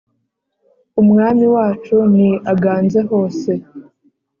Umwami wacu ni aganze hose